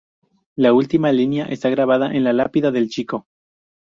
La última línea está grabada en la lápida del chico.